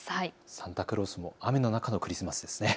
サンタクロースも雨の中のクリスマスですね。